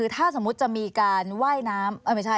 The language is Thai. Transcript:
ถ้าสมมุติจะมีการว่ายน้ำไม่ใช่